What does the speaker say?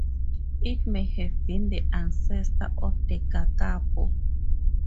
It may have been the ancestor of the kakapo.